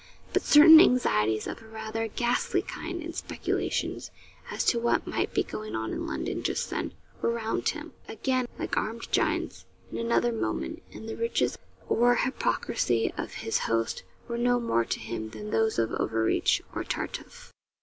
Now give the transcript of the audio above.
But certain anxieties of a rather ghastly kind, and speculations as to what might be going on in London just then, were round him again, like armed giants, in another moment, and the riches or hypocrisy of his host were no more to him than those of Overreach or Tartuffe.